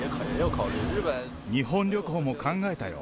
日本旅行も考えたよ。